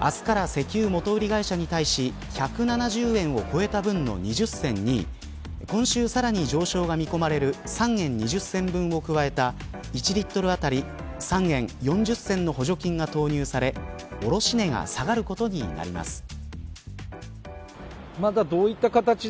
明日から石油元売り会社に対し１７０円を超えた分の２０銭に今週さらに上昇が見込まれる３円２０銭分を加えた１リットル当たり３円４０銭の補助金が投入され卸値が下がることになります。